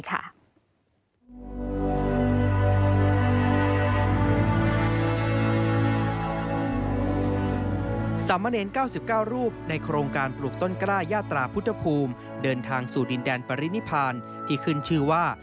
สามเณร๙๙รูปในโครงการปลูกต้นกล้ายาตราพุทธภูมิเดินทางสู่ดินแดนปรินิพานที่ขึ้นชื่อว่า